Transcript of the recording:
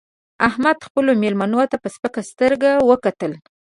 احمد خپلو مېلمنو ته په سپکه سترګه وکتل